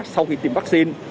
sau khi tiêm vaccine